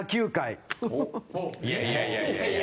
一同：いやいや、いやいや！